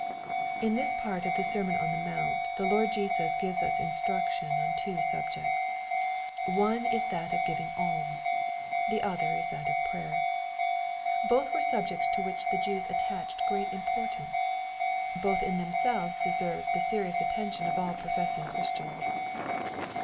In this part of the sermon on the mount the Lord Jesus gives us instruction on two subjects. One is that of giving alms. The other is that of prayer. Both were subjects to which the Jews attached great importance. MATTHEW, CHAP. VI. 47 Both in themselves deserve the serious attention of all professing Christians.